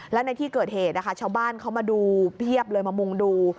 และในที่เกิดเหตุนะคะชาวบ้านเขามาดูเพียบเลยมามุ่งดู